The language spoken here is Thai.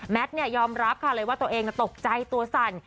ยอมรับค่ะเลยว่าตัวเองตกใจตัวสั่น